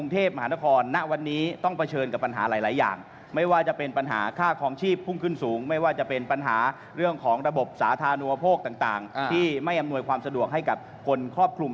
ที่ไม่อำนวยความสะดวกให้กับคนครอบครุม